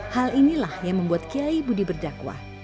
hal inilah yang membuat kiai budi berdakwah